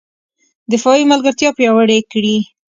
دفاعي ملګرتیا پیاوړې کړي